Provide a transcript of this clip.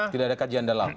tidak ada kajian dalam